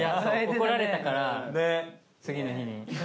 怒られたから次の日に。